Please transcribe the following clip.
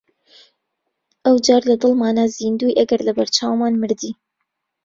ئەو جار لە دڵمانا زیندووی ئەگەر لەبەر چاومان مردی!